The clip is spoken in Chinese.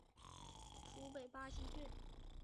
属北巴西郡。